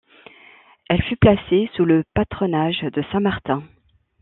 Elle fut placée sous le patronage de saint Martin.